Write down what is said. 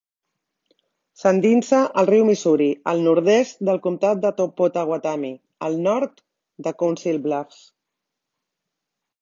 S'endinsa al riu Missouri al nord-oest del comtat de Pottawattamie, al nord de Council Bluffs.